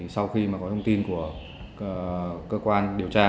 sau khi mà có thông tin của cơ quan điều tra